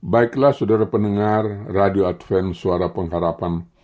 baiklah saudara pendengar radio advent suara pengharapan